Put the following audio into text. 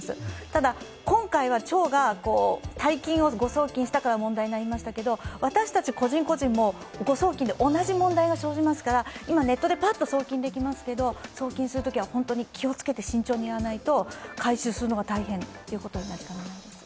ただ、今回は町が大金を誤送金したから問題になりましたけれども、私たち個人個人も誤送金で同じ問題が生じますから、今、ネットでぱっと送金できますけど送金するときは本当に気をつけて慎重にやらないと回収するのが大変ということになります。